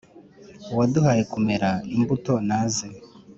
uwaduhaye kumera imbuto naze